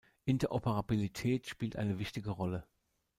Interoperabilität spielt eine wichtige Rolle.